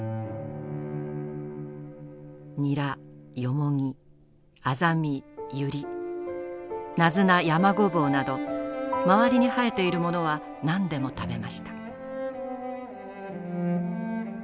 ニラヨモギアザミユリナズナヤマゴボウなど周りに生えているものは何でも食べました。